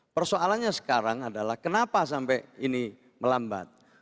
persoalannya sekarang adalah kenapa sampai ini melambat